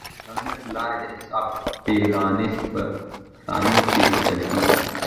د انټرنیټ له لارې د حساب بیلانس په ثانیو کې کتل کیږي.